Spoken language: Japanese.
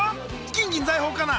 金銀財宝かな。